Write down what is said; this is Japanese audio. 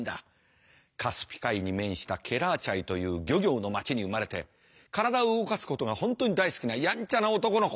カスピ海に面したケラーチャイという漁業の町に生まれて体を動かすことが本当に大好きなやんちゃな男の子。